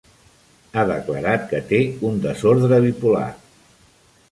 Ha declarat que té un desordre bipolar.